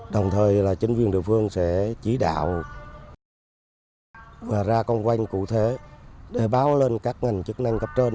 đồng thời là chính quyền địa phương sẽ chỉ đạo và ra công quanh cụ thể để báo lên các ngành chức năng cấp trên